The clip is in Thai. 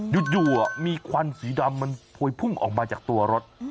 อยู่มีควันสีดำมันพวยพุ่งออกมาจากตัวรถ